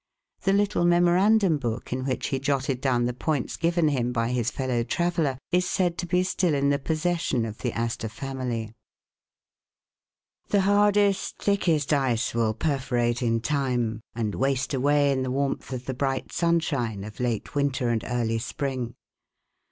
The lit tle memorandum book in which he jotted down the 48 England and America points given him by his fellow traveler, is said to be still in the possession of the Astor family. The hardest, thickest ice will perforate in lime, and waste away in the warmth of the bright sunshine of late winter and early spring.